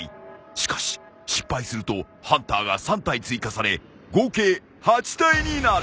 しかし失敗するとハンターが３体追加され合計８体になる。